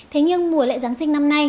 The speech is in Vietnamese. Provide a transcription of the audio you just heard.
thế nhưng mùa lễ giáng sinh năm nay